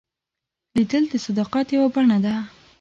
لیدل د صداقت یوه بڼه ده